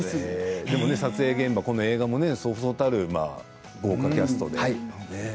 撮影現場もそうそうたる豪華キャストで。